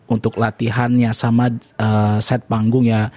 untuk latihannya sama set panggung ya